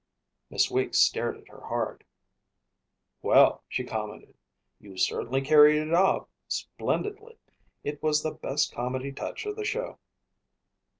Miss Weeks stared at her hard. "Well," she commented, "you certainly carried it off splendidly. It was the best comedy touch of the show."